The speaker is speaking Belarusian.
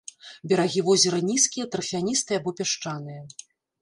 Берагі возера нізкія, тарфяністыя або пясчаныя.